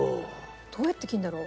どうやって切るんだろう？